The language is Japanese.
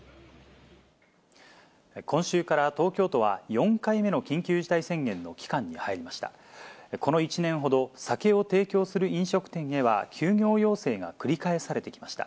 今週から東京都は、４回目の緊急事態宣言の期間に入りました。